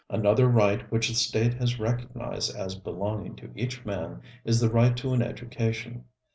Another right which the State has recognized as belonging to each man is the right to an education.